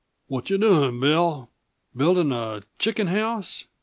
"What you doing, Bill building a chicken house?"